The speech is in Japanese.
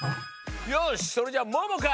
よしそれじゃあももか！